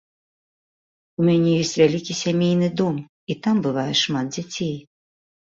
У мяне ёсць вялікі сямейны дом, і там бывае шмат дзяцей.